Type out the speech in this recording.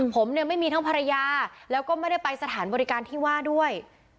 ผมเนี่ยไม่มีทั้งภรรยาแล้วก็ไม่ได้ไปสถานบริการที่ว่าด้วย